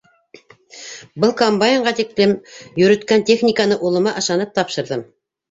Был комбайнға тиклем йөрөткән техниканы улыма ышанып тапшырҙым.